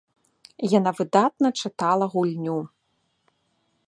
Яна выдатна чытала гульню.